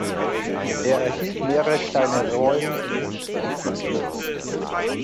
Er erhielt mehrere kleinere Rollen in Film und Fernsehen.